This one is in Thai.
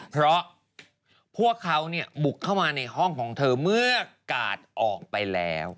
เพราะพวกเขาบุกเข้ามาในห้องของเธอเมื่อกาดออกไปแล้ว